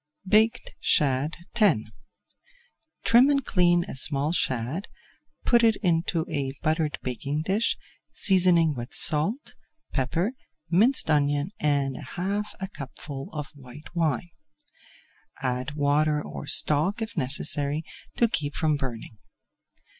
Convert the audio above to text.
BAKED SHAD X Trim and clean a small shad, put it into a buttered baking dish, seasoning with salt, pepper, minced onion and half a cupful of white wine. Add water or stock, if necessary, to keep from burning.